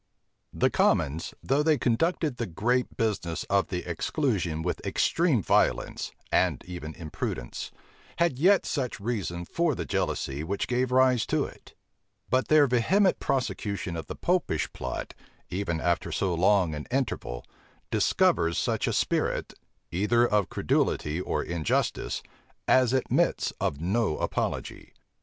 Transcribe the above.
The commons, though they conducted the great business of the exclusion with extreme violence, and even imprudence, had yet much reason for the jealousy which gave rise to it: but their vehement prosecution of the Popish plot, even after so long an interval, discovers such a spirit, either of credulity or injustice, as admits of no apology.